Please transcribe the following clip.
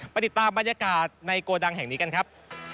ติดตามบรรยากาศในโกดังแห่งนี้กันครับ